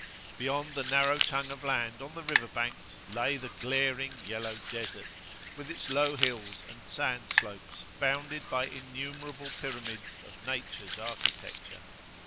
Beyond the narrow tongue of land on the river banks lay the glaring, yellow Desert, with its low hills and sand slopes, bounded by innumerable pyramids of Nature's architecture.